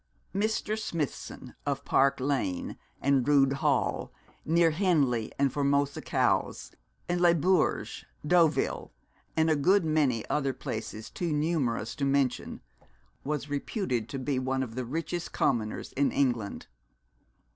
Mr. Smithson, of Park Lane, and Rood Hall, near Henley, and Formosa, Cowes, and Le Bouge, Deauville, and a good many other places too numerous to mention, was reputed to be one of the richest commoners in England.